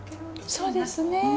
そうですね。